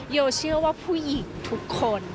โยเกิร์ตเชื่อว่าผู้หญิงทุกคน